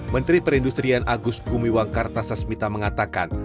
menteri perindustrian agus gumiwang kartasasmita mengatakan